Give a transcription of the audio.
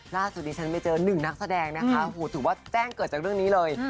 ดิฉันไปเจอหนึ่งนักแสดงนะคะถือว่าแจ้งเกิดจากเรื่องนี้เลย